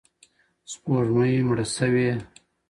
سپوږمۍ مړه شوې،